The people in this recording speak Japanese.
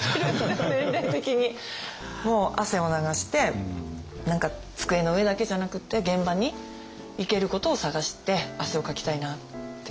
もう汗を流して何か机の上だけじゃなくって現場に行けることを探して汗をかきたいなって思ってます。